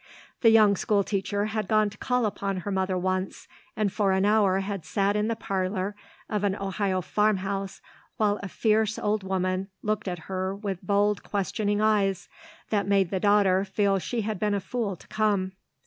The young school teacher had gone to call upon her mother once and for an hour had sat in the parlour of an Ohio farmhouse while a fierce old woman looked at her with bold questioning eyes that made the daughter feel she had been a fool to come.